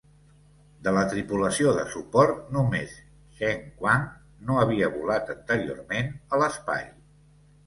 De la tripulació de suport, només Chen Quan no havia volat anteriorment a l'espai.